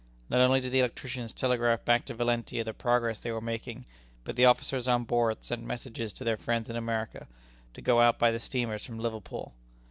Not only did the electricians telegraph back to Valentia the progress they were making, but the officers on board sent messages to their friends in America, to go out by the steamers from Liverpool.